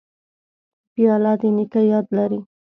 پیاله د نیکه یاد لري.